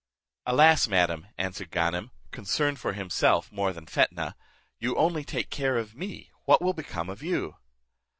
"Alas! madam," answered Harem, concerned for himself than for Fetnah, "you only take care of me, what will become of you?"